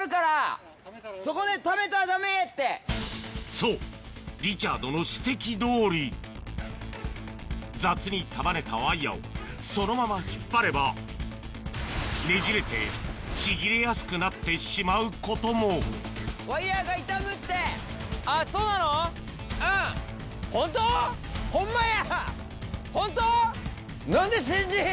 そうリチャードの指摘どおり雑に束ねたワイヤをそのまま引っ張ればねじれてちぎれやすくなってしまうこともホンマや！